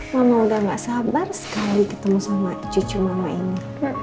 mama udah gak sabar sekali ketemu sama cucu mama ini